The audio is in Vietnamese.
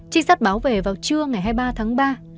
trinh sát báo về vào trưa ngày hai mươi ba tháng ba